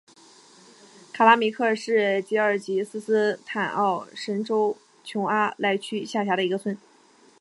卡拉梅克是吉尔吉斯斯坦奥什州琼阿赖区下辖的一个村。